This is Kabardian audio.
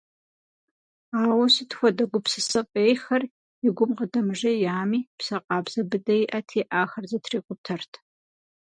Ауэ сыт хуэдэ гупсысэ фӏейхэр и гум къыдэмыжеями, псэ къабзэ быдэ иӏэти, ахэр зэтрикъутэрт.